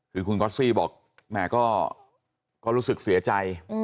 คือคุณก๊อตซี่บอกแหมก็รู้สึกเสียใจ